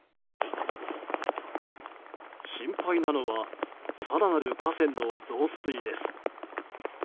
心配なのは更なる河川の増水です。